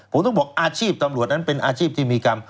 ผมต้องบอกอาชีพตำรวจนั้นเป็นอาชีพที่มีกรรม